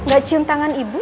gak cium tangan ibu